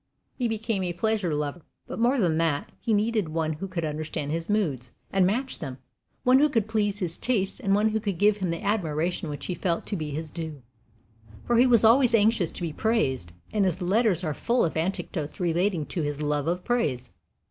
He became a pleasure lover; but more than that, he needed one who could understand his moods and match them, one who could please his tastes, and one who could give him that admiration which he felt to be his due; for he was always anxious to be praised, and his letters are full of anecdotes relating to his love of praise.